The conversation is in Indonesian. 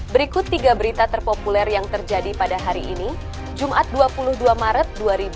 berikut tiga berita terpopuler yang terjadi pada hari ini jumat dua puluh dua maret dua ribu dua puluh